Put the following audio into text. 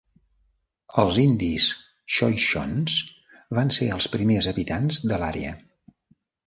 Els indis xoixons van ser els primers habitants de l'àrea.